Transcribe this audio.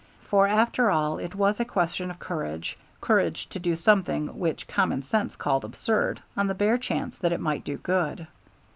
For after all it was a question of courage, courage to do something which common sense called absurd on the bare chance that it might do good.